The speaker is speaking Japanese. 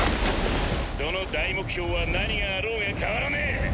その大目標は何があろうが変わらねぇ。